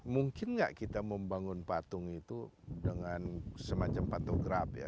mungkin nggak kita membangun patung itu dengan semacam patograf ya